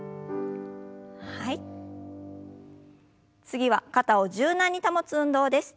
次は肩を柔軟に保つ運動です。